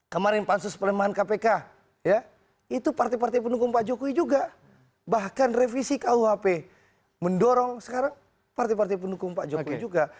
kemarin pansus pelemahan kpk ya itu partai partai pendukung pak jokowi juga bahkan revisi kuhp mendorong sekarang partai partai pendukung pak jokowi juga